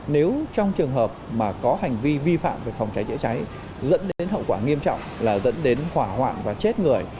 nếu trong trường hợp mà có hành vi vi phạm về phòng cháy chữa cháy dẫn đến hậu quả nghiêm trọng là dẫn đến hỏa hoạn và chết người